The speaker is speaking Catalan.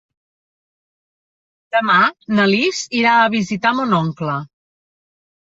Demà na Lis irà a visitar mon oncle.